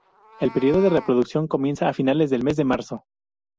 El periodo de reproducción comienza a finales del mes de marzo.